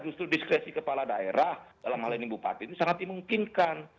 justru diskresi kepala daerah dalam hal ini bupati ini sangat dimungkinkan